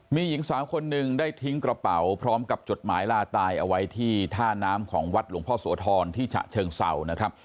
มีหญิงสาวคนหนึ่งได้ทิ้งกระเป๋าพร้อมกับจดหมายลาตายเอาไว้ที่ท่าน้ำของวัดหลวงพ่อโสธรที่ฉะเชิงเศร้านะครับ